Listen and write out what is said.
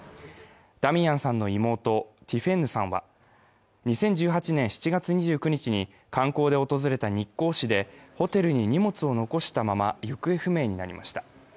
ダミアンさんの妹、ティフェンヌさんは、２０１８年７月２９日に観光で訪れた日光市でホテルに荷物を残したまま行方不明になりました。